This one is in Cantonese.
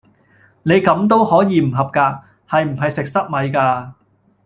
你咁都可以唔合格，係唔係食塞米架！